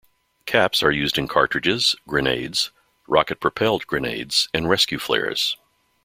Caps are used in cartridges, grenades, rocket-propelled grenades, and rescue flares.